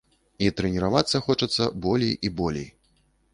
І трэніравацца хочацца болей і болей.